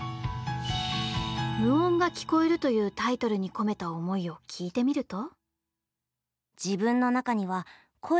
「無音が聴こえる」というタイトルに込めた思いを聞いてみると。